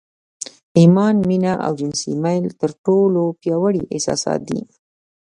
ايمان، مينه او جنسي ميل تر ټولو پياوړي احساسات دي.